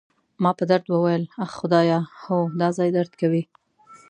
ما په درد وویل: اخ، خدایه، هو، دا ځای درد کوي.